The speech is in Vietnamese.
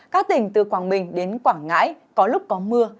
các tỉnh từ quảng bình đến quảng ngãi có lúc có mưa